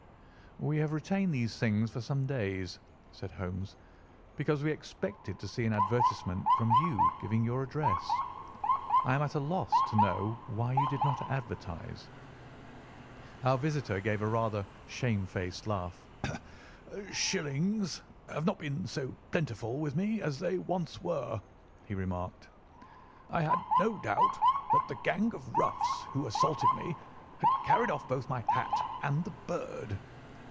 "We have retained these things for some days," said Holmes, "because we expected to see an advertisement from you giving your address. I am at a loss to know now why you did not advertise." Our visitor gave a rather shamefaced laugh. "Shillings have not been so plentiful with me as they once were," he remarked. "I had no doubt that the gang of roughs who assaulted me had carried off both my hat and the bird.